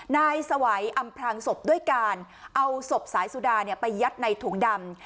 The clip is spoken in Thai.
นายสวัยอำพลางศพด้วยการเอาศพสายสุดาไปยัดในถุงดำ